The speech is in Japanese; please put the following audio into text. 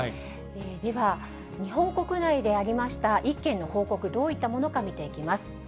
では、日本国内でありました１件の報告、どういったものか見ていきます。